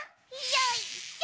よいしょ！